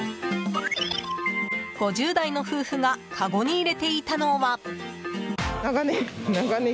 ５０代の夫婦がかごに入れていたのは。